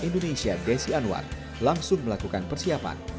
indonesia desi anwar langsung melakukan persiapan